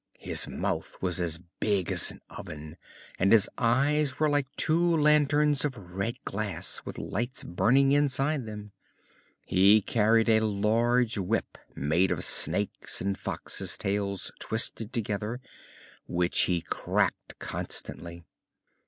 His mouth was as big as an oven, and his eyes were like two lanterns of red glass with lights burning inside them. He carried a large whip made of snakes and foxes' tails twisted together, which he cracked constantly.